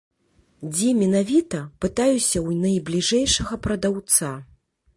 Дзе менавіта, пытаюся ў найбліжэйшага прадаўца.